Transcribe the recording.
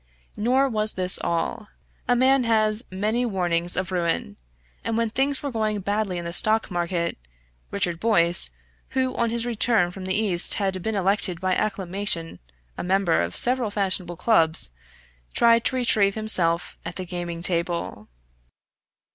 Nor was this all. A man has many warnings of ruin, and when things were going badly in the stock market, Richard Boyce, who on his return from the East had been elected by acclamation a member of several fashionable clubs, tried to retrieve himself at the gaming table.